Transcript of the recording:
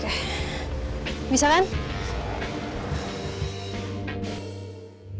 tidak ada yang bisa dikakuti